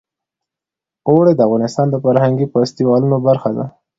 اوړي د افغانستان د فرهنګي فستیوالونو برخه ده.